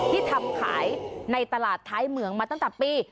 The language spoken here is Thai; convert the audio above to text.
ที่ทำขายในตลาดไทยเมืองมาตั้งแต่ปี๒๔๘๓